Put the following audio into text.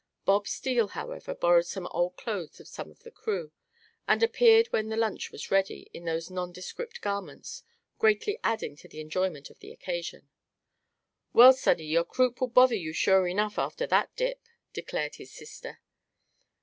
Bob Steele, however, borrowed some old clothes of some of the crew, and appeared when the lunch was ready in those nondescript garments, greatly adding to the enjoyment of the occasion. "Well, sonny, your croup will bother you sure enough, after that dip," declared his sister.